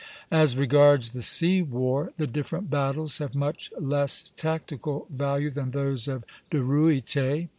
As regards the sea war, the different battles have much less tactical value than those of De Ruyter.